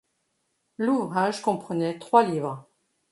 L’ouvrage comprenait trois livres.